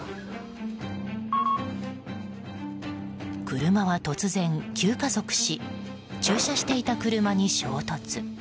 車は突然、急加速し駐車していた車に衝突。